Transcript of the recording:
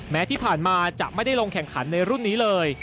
แม้ที่ผ่านมาจะไม่ได้ลงแข่งขันในรุ่นนี้เลย